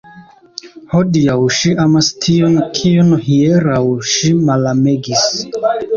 Hodiaŭ ŝi amas tiun, kiun hieraŭ ŝi malamegis!